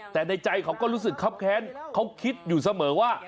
แต่ในใจเขาก็รู้สึกครับแค้นเขาคิดอยู่เสมอว่า